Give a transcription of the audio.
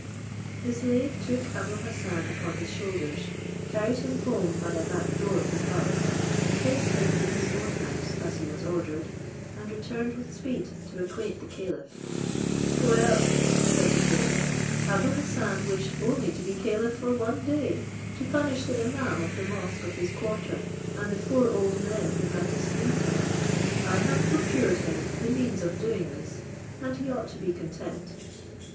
The slave took Abou Hassan upon his shoulders, carried him home by a back door of the palace, placed him in his own house as he was ordered, and returned with speed, to acquaint the caliph. "Well," said the caliph, "Abou Hassan wished only to be caliph for one day, to punish the imaum of the mosque of his quarter, and the four old men who had displeased him: I have procured him the means of doing this, and he ought to be content."